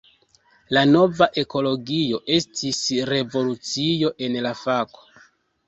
La nova ekologio estis revolucio en la fako.